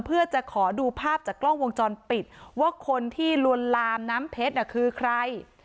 เพื่อจะขอดูภาพจากกล้องวงจรปิดว่าคนที่ลวนลามน้ำเพชรคือใคร